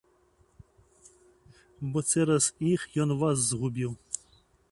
Бо цераз іх ён вас згубіў.